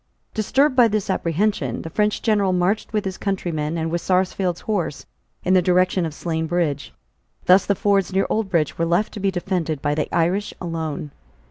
Disturbed by this apprehension, the French general marched with his countrymen and with Sarsfield's horse in the direction of Slane Bridge. Thus the fords near Oldbridge were left to be defended by the Irish alone.